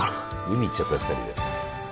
海行っちゃったよ２人で。